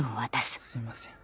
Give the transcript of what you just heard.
すいません。